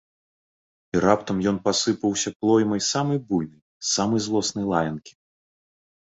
І раптам ён пасыпаўся плоймай самай буйнай, самай злоснай лаянкі.